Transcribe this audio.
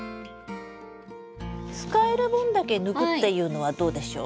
使える分だけ抜くっていうのはどうでしょう？